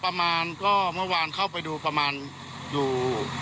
เยอะครับก็เมื่อวานเข้าไปดูประมาณอยู่สัก๑๒เมตรอ่ะครับ